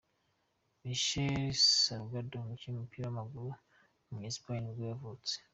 Míchel Salgado, umukinnyi w’umupira w’amaguru w’umunya Espagne nibwo yavutse.